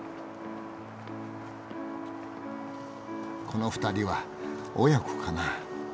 この２人は親子かなあ。